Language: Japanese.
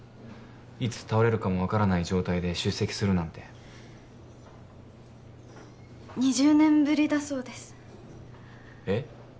いつ倒れるかも分からない状態で出席するなんて２０年ぶりだそうですえっ！？